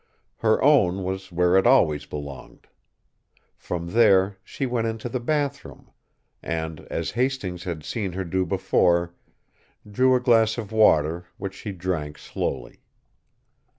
Her own was where it always belonged. From there she went into the bathroom and, as Hastings had seen her do before, drew a glass of water which she drank slowly.